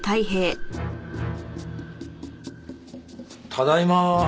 ただいま。